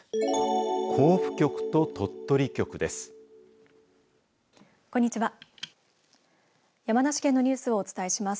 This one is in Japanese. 甲府局と鳥取局です。